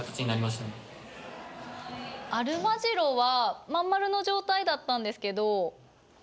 アルマジロは真ん丸の状態だったんですけど。